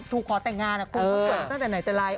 ถูกขอแต่งงานเพราะแบบผู้ฝ่นตั้งแต่ไหนจะไลน์